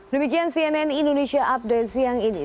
demikian cnn indonesia update siang ini